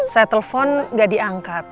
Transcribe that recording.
saya telepon nggak diangkat